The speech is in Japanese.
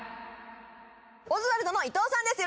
オズワルドの伊藤さんです